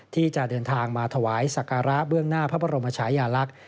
ที่จะเดินทางมาถวายสักการะเบื้องหน้าพระบรมชายาลักษณ์